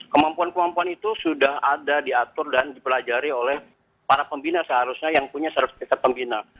kemampuan kemampuan itu sudah ada diatur dan dipelajari oleh para pembina seharusnya yang punya sertifikat pembina